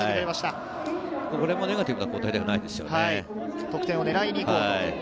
これもネガティブな交代ではないですね。